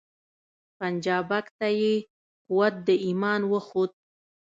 پنجابک ته یې قوت د ایمان وښود